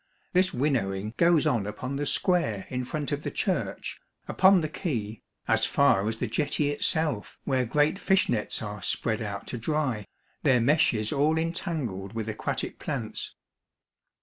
This winnowing goes on upon the square in front of the church, upon the quay, as far as the jetty itself, where great fish nets are spread out to dry, their meshes all entangled with aquatic plants.